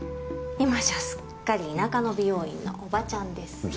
今じゃすっかり田舎の美容院のおばちゃんです。